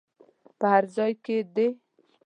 په هر ځای کې دې.